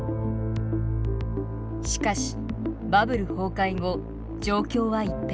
しかしバブル崩壊後状況は一変。